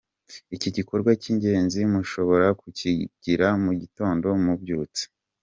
Iki gikorwa cy’ingenzi mushobora kukigirana mugitondo mubyutse, cyangwa se mukabikora nijoro mugiye kuryama.